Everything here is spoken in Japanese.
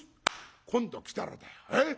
今度来たらだよ